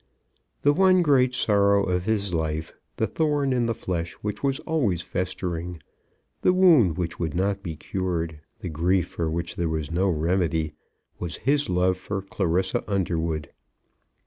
The one great sorrow of his life, the thorn in the flesh which was always festering, the wound which would not be cured, the grief for which there was no remedy, was his love for Clarissa Underwood.